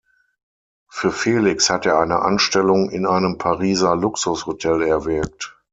Für Felix hat er eine Anstellung in einem Pariser Luxushotel erwirkt.